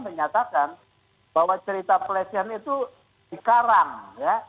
menyatakan bahwa cerita kelecehan itu di karang ya